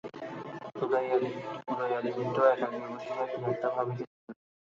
উদয়াদিত্য একাকী বসিয়া কী একটা ভাবিতেছিল।